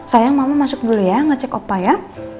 sayang mama masuk dulu ya ngecek opa ya